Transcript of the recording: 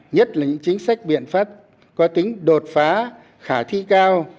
nhất là những chính sách biện pháp có tính đột phá khả thi cao